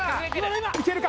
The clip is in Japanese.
いけるか？